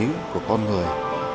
tâm lý của con người